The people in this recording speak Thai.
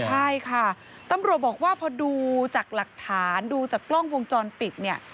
ใช่ค่ะตำรวจบอกว่าพอดูจากหลักฐานดูจากกล้องวงจรปิดเนี่ย